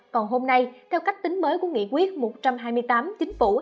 còn hôm nay theo cách tính mới của nghị quyết một trăm hai mươi tám chính phủ